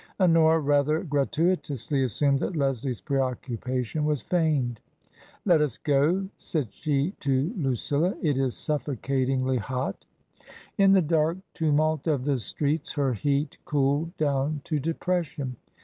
Honora rather gratuitously assumed that Leslie's preoccupation was feigned. " Let us go !" said she to Lucilla ;" it is suffocatingly hot." In the dark tumult of the streets her heat cooled down to depression.